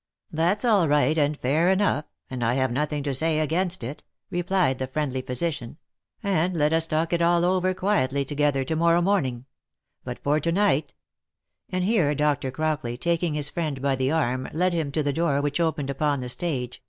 " That's all right and fair enough, and I have nothing to say against it," replied the friendly physician, and let us talk it all over quietly to gether to morrow morning ; but for to night —" And here Dr. Crockley taking his friend by the arm led him to the door which opened upon the stage